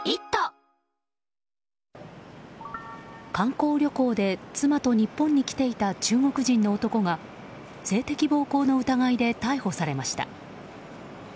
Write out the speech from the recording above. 観光旅行で妻と日本に来ていた中国人の男が性的暴行の疑いで逮捕されました。